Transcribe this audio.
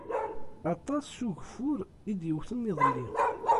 Aṭas ugeffur i d-yewwten iḍelli.